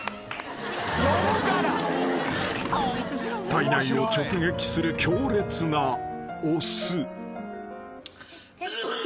［体内を直撃する強烈なお酢］